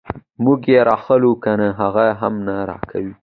موږ یې راواخلو کنه هغه هم نه راکوي.